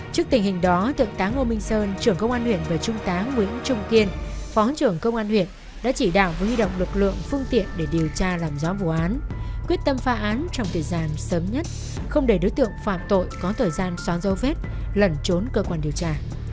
trước tình hình đó thượng tá ngô minh sơn trưởng công an huyện và trung tá nguyễn trung kiên phó trưởng công an huyện đã chỉ đạo với huy động lực lượng phương tiện để điều tra làm rõ vụ án quyết tâm phá án trong thời gian sớm nhất không để đối tượng phạm tội có thời gian xóa dấu vết lẩn trốn cơ quan điều tra